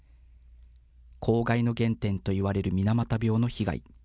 公害の原点と言われる水俣病の被害。